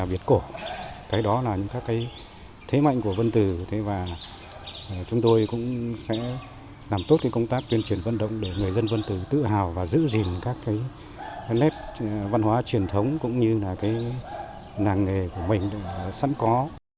và chúng tôi cũng sẽ làm tốt công tác tuyên truyền vận động để người dân vân tử tự hào và giữ gìn các nét văn hóa truyền thống cũng như là cái làng nghề của mình sẵn có